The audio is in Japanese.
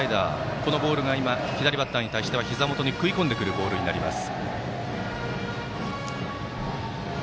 そのボールが今、左バッターに対してはひざ元に食い込むボールになります。